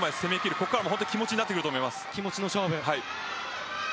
ここからは本当気持ちになってくると思います。